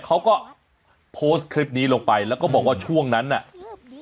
เขาก็โพสต์คลิปนี้ลงไปแล้วก็บอกว่าช่วงนั้นน่ะอืม